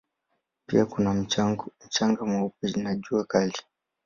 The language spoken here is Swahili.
Pia kuna mchanga mweupe na jua kali.